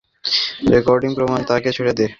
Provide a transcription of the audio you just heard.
Recording, প্রমাণ আর তাকে ছেড়ে দে।